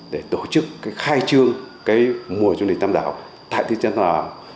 để tổ chức khai trương mùa du lịch tâm đảo tại thị trấn hợp châu